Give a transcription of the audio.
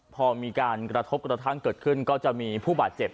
พอมีการกระทบกระทั่งเกิดขึ้นก็จะมีผู้บาดเจ็บ